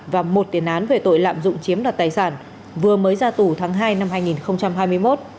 và một tiền án về tội lạm dụng chiếm đoạt tài sản vừa mới ra tù tháng hai năm hai nghìn hai mươi một